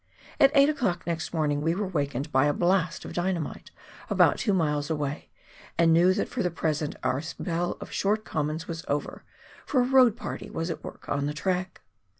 At 8 o'clock next morning we were wakened by a blast of dynamite about two miles away, and knew that for the present our spell of short commons was over, for a road party was at work on the track.